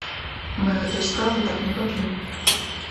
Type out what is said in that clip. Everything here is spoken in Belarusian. Мы гэтую справу так не пакінем.